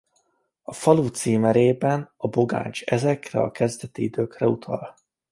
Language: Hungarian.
A falu címerében a bogáncs ezekre a kezdeti időkre utal.